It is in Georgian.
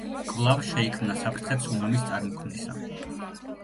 კვლავ შეიქმნა საფრთხე ცუნამის წარმოქმნისა.